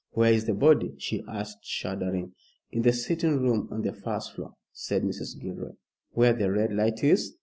Where is the body?" she asked, shuddering. "In the sitting room on the first floor," said Mrs. Gilroy. "Where the red light is?"